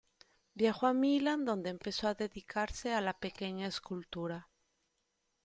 Viajó a Milán, donde empezó a dedicarse a la pequeña escultura.